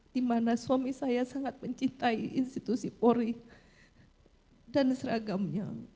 di mana suami saya sangat mencintai institusi polri dan seragamnya